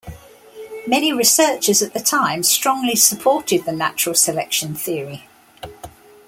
Many researchers at the time strongly supported the natural selection theory.